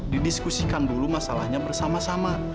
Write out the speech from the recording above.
didiskusikan dulu masalahnya bersama sama